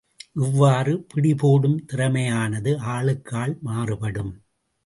இவ்வாறு பிடிபோடும் திறமையானது ஆளுக்கு ஆள் மாறுபடும்.